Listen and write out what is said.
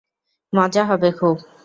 মজা হবে খুব!